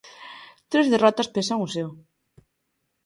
Tres derrotas pesan o seu.